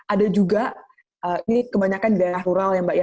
ada juga ini kebanyakan di daerah rural mbak